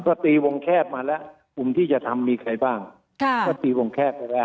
ก็ตีวงแคบมาแล้วกลุ่มที่จะทำมีใครบ้างค่ะก็ตีวงแคบไปแล้ว